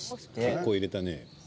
結構、入れたね。